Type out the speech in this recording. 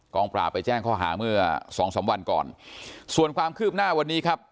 ปราบไปแจ้งข้อหาเมื่อสองสามวันก่อนส่วนความคืบหน้าวันนี้ครับ